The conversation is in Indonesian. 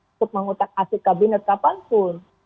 untuk mengutak asli kabinet kapanpun